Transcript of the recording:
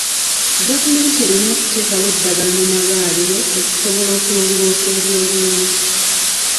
Gavumenti erina okuteeka eddagala mu malwaliro okusobola okulongoosa eby'obulamu.